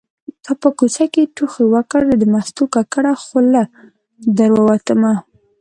تا په کوڅه کې ټوخی وکړ زه د مستو ککړه خوله در ووتمه